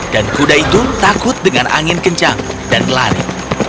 dan kuda itu takut dengan angin kencang dan lari